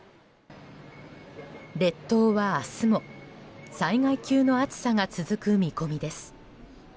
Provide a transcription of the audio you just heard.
列島は明日も災害級の暑さが続く見込みです。